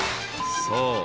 ［そう。